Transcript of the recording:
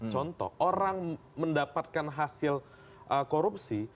contoh orang mendapatkan hasil korupsi